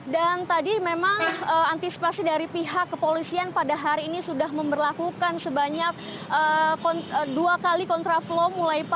dan tadi memang antisipasi dari pihak kepolisian pada hari ini sudah memperlakukan sebanyak dua kali kontraflow